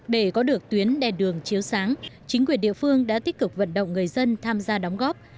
để có được tuyến đèn đường chiếu sáng chính quyền địa phương đã tích cực vận động người dân tham gia đóng góp